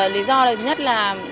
lý do nhất là